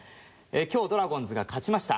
今日ドラゴンズが勝ちました。